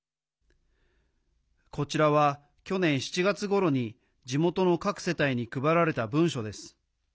こちらは、去年７月ごろに地元の各世帯に配られた文書です。